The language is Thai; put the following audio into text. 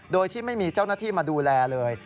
โดยที่ไม่มีเจ้าหน้าที่มาดูแลเลย